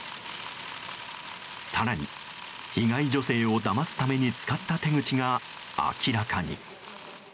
更に、被害女性をだますために使った手口が明らかに。